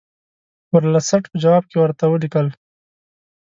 ورلسټ په جواب کې ورته ولیکل.